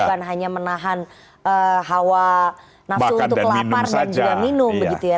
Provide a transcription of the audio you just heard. bukan hanya menahan hawa nafsu untuk lapar dan juga minum begitu ya